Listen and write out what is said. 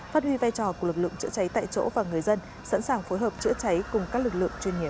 phát huy vai trò của lực lượng chữa cháy tại chỗ và người dân sẵn sàng phối hợp chữa cháy cùng các lực lượng chuyên nghiệp